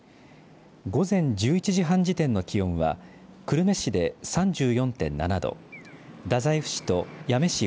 午前１１時半時点の気温は久留米市で３４．７度太宰府市と八女市